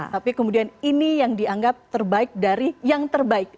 tapi kemudian ini yang dianggap terbaik dari yang terbaik